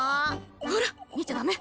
こら見ちゃダメ！